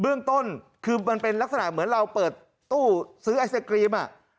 เรื่องต้นคือมันเป็นลักษณะเหมือนเราเปิดตู้ซื้อไอศกรีม